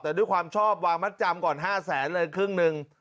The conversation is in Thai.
แต่ด้วยความชอบวางมัดจำก่อน๕แสนเลยครึ่งหนึ่ง